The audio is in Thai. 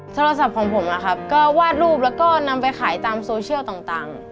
โทรศัพท์ของผมนะครับก็วาดรูปแล้วก็นำไปขายตามโซเชียลต่าง